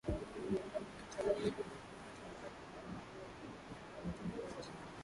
maneno ya mkataba hayafai kutumika kwa ajiri ya utafiti